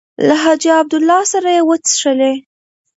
له حاجي عبدالله سره یې وڅښلې.